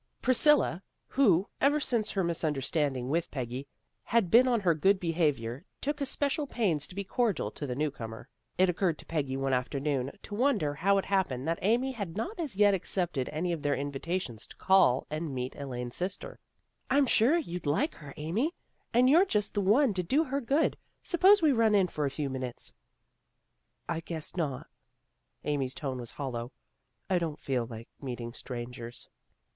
Priscilla, who, ever since her misunderstanding with Peggy, had been on her good behavior, took especial pains to be cordial to the new comer. It occurred to Peggy one afternoon to wonder how it happened that Amy had not as yet accepted any of their invitations to call and meet Elaine's sister. " I'm sure you'd like her, Amy. And you're just the one to do her good. Suppose we run in for a few minutes." " I guess not." Amy's tone was hollow. " I don't feel like meeting strangers."